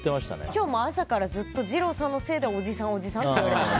今日も朝からずっと二朗さんのせいでおじさん、おじさんって言われます。